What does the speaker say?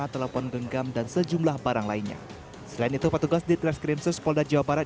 satu ratus lima telepon genggam dan sejumlah barang lainnya selain itu petugas di krimsus polda jawa barat